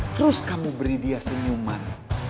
terus kamu beri dia senyuman